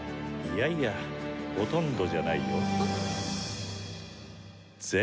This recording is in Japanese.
いやいやほとんどじゃないよ。